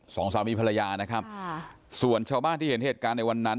สองสามีภรรยานะครับค่ะส่วนชาวบ้านที่เห็นเหตุการณ์ในวันนั้น